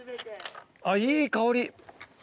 あっいい香り。